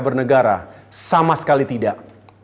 bernegara sama sekali tidak